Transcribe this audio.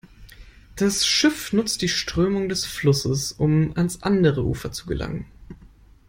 Das Schiff nutzt die Strömung des Flusses, um ans andere Ufer zu gelangen.